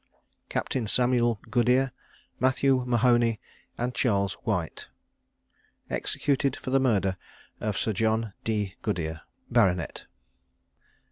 CAPTAIN SAMUEL GOODERE, MATTHEW MAHONY, AND CHARLES WHITE. EXECUTED FOR THE MURDER OF SIR JOHN D. GOODERE, BART.